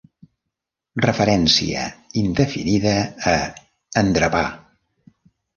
Referència indefinida a 'endrapar'.